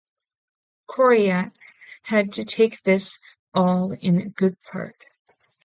Coryat had to take this all in good part.